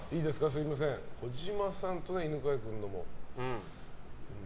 児嶋さんと犬飼君のも。